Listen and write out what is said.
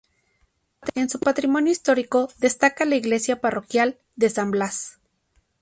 En su patrimonio histórico destaca la iglesia parroquial de San Blas.